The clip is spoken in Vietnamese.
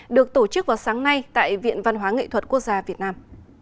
được tổ chức vào sáng nay tại viện văn hóa nghệ thuật quốc gia việt nam